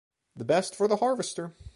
The best for the harvester.